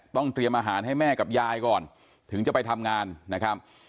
เตรียมอาหารให้แม่กับยายก่อนถึงจะไปทำงานนะครับ